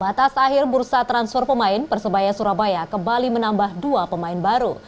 batas akhir bursa transfer pemain persebaya surabaya kembali menambah dua pemain baru